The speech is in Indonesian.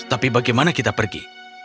tapi bagaimana kita pergi